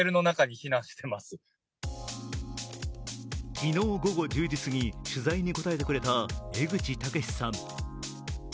昨日午後１０時すぎ、取材に答えてくれた江口武さん。